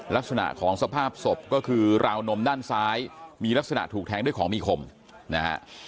ลักษณะของสภาพศพก็คือราวนมด้านซ้ายมีลักษณะถูกแทงด้วยของมีคมนะฮะ